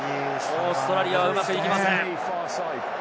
オーストラリア、うまくいきません。